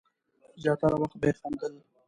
زیاتره وخت به یې خندل.